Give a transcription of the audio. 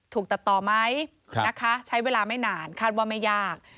ถูกตัดต่อไหมนะคะใช้เวลาไม่นานคาดว่าไม่ยาก